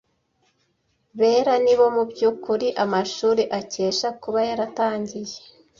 Bera ni bo mu by ukuri amashuri akesha kuba yaratangiye